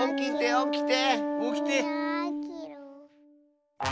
おきて。